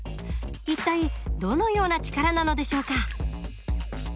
一体どのような力なのでしょうか。